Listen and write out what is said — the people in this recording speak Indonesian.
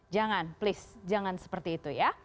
jangan please jangan seperti itu ya